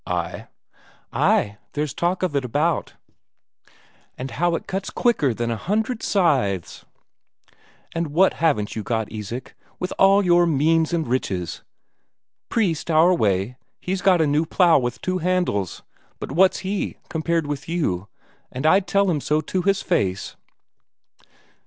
"Ay." "Ay, there's talk of it about, and how it cuts quicker than a hundred scythes. And what haven't you got, Isak, with all your means and riches! Priest, our way, he's got a new plough with two handles; but what's he, compared with you, and I'd tell him so to his face."